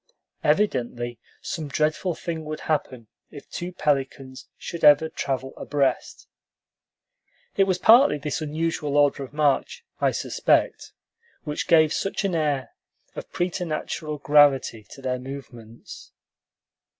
Evidently some dreadful thing would happen if two pelicans should ever travel abreast. It was partly this unusual order of march, I suspect, which gave such an air of preternatural gravity to their movements.